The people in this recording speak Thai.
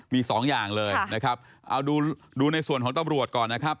มีสองอย่างเลยนะครับเอาดูในส่วนของตำรวจก่อนนะครับ